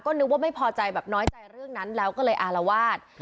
นึกว่าไม่พอใจแบบน้อยใจเรื่องนั้นแล้วก็เลยอารวาส